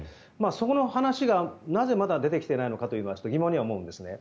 そこの話がなぜまだ出てきていないのかというのはちょっと疑問には思うんですね。